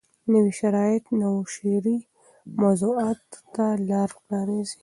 نوي شرایط نویو شعري موضوعاتو ته لار پرانیزي.